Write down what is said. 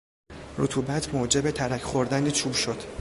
رطوبت موجب ترک خوردن چوب شد.